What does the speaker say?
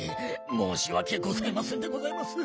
もうしわけございませんでございます。